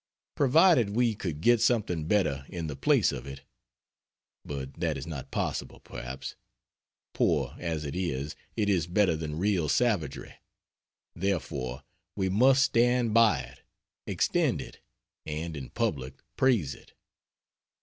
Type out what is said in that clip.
Provided we could get something better in the place of it. But that is not possible, perhaps. Poor as it is, it is better than real savagery, therefore we must stand by it, extend it, and (in public) praise it.